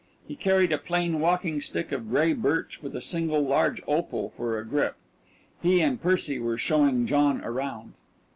He carried a plain walking stick of gray birch with a single large opal for a grip. He and Percy were showing John around.